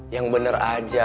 yang bener aja